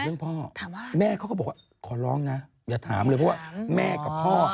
เรื่องพ่อแม่เขาก็บอกว่าขอร้องนะอย่าถามเลยเพราะว่าแม่กับพ่อ